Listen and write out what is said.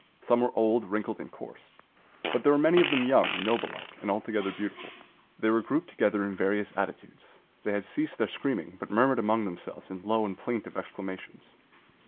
Some were old, wrinkled, and coarse; but there were many of them young, noble like, and altogether beautiful. They were grouped together in various attitudes. They had ceased their screaming, but murmured among themselves in low and plaintive exclamations.